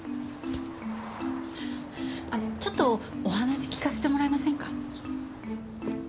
ちょっとお話聞かせてもらえませんか？